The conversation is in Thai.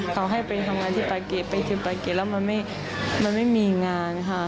เขาให้ไปทำงานที่ปาเกตไปถึงปาเกตแล้วมันไม่มีงานค่ะ